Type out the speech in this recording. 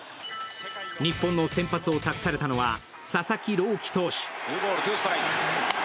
日本の先発を託されたのは佐々木朗希投手。